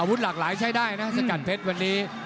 วุธหลากหลายใช้ได้นะสกัดเพชรวันนี้